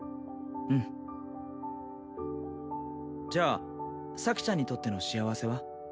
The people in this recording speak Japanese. うんじゃあ咲ちゃんにとっての幸せは？